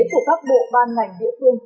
của các bộ ban ngành địa phương